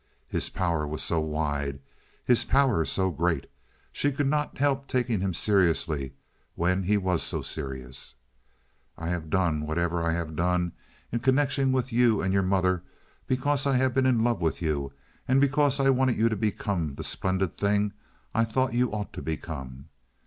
His power was so wide, his power so great. She could not help taking him seriously when he was so serious.) "I have done whatever I have done in connection with you and your mother because I have been in love with you and because I wanted you to become the splendid thing I thought you ought to become.